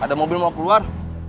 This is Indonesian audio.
ada mobil mau keluar